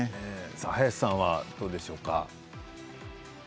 早瀬さん、どうでしょうか。